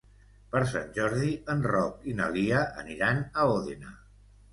Per Sant Jordi en Roc i na Lia aniran a Òdena.